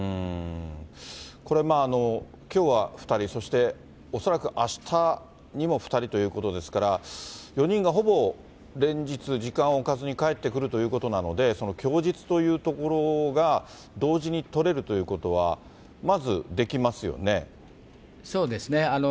これ、きょうは２人、そして恐らくあしたにも２人ということですから、４人がほぼ連日、時間を置かずに帰ってくるということなので、その供述というところが同時に取れるということは、まずできますそうですね。